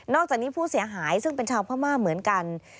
อกจากนี้ผู้เสียหายซึ่งเป็นชาวพม่าเหมือนกัน